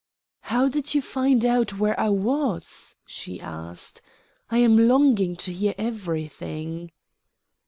"How did you find out where I was?" she asked. "I am longing to hear everything."